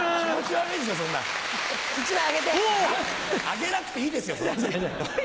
あげなくていいですよ。